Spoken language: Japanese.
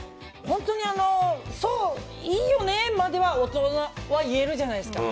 本当に、いいよね！までは大人は言えるじゃないですか。